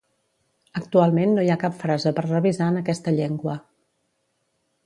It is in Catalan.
Actualment no hi cap frase per revisar en aquesta llengua.